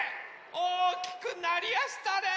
おおきくなりやしたね！